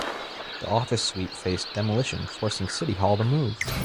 The office suite faced demolition, forcing city hall to move.